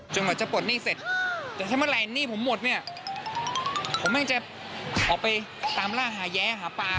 จนกว่าจะปลดหนี้เสร็จจะทำอะไรหนี้ผมหมดเนี๊ยะผมแม่งจะออกไปตามร่าหาแย้หาปลา